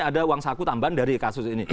ada uang saku tambahan dari kasus ini